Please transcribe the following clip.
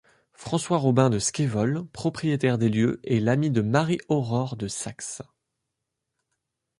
François Robin de Scévole propriétaire des lieux est l'ami de Marie-Aurore de Saxe.